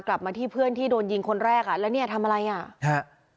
กลับมาที่เพื่อนที่โดนยิงคนแรกอ่ะแล้วเนี่ยทำอะไรอ่ะฮะ